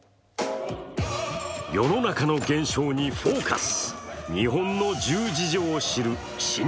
世の中の現象に「ＦＯＣＵＳ」。